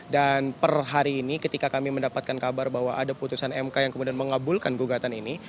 dan per hari ini ketika kami mendapatkan kabar bahwa ada putusan mk yang kemudian mengabulkan gugatan ini